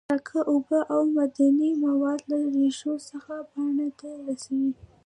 ساقه اوبه او معدني مواد له ریښو څخه پاڼو ته رسوي